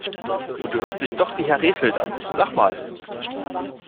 Und du hörst dich doch wie Herr Rehfeld an! Lach mal!